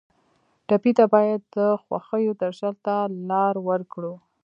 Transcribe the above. ټپي ته باید د خوښیو درشل ته لار ورکړو.